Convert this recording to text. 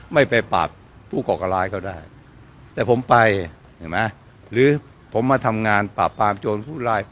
ไม่ไปปราบผู้ก่อการร้ายก็ได้แต่ผมไปเห็นไหมหรือผมมาทำงานปราบปรามโจรผู้ร้าย